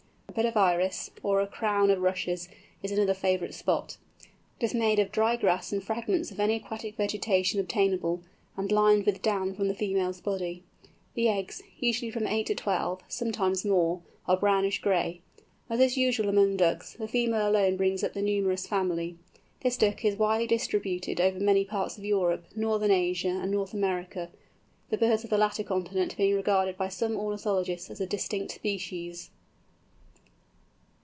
A bed of iris, or a crown of rushes, is another favourite spot. It is made of dry grass and fragments of any aquatic vegetation obtainable, and lined with down from the female's body. The eggs—usually from eight to twelve, sometimes more—are brownish gray. As is usual among Ducks, the female alone brings up the numerous family. This Duck is widely distributed over many parts of Europe, Northern Asia, and North America, the birds of the latter continent being regarded by some ornithologists as a distinct species.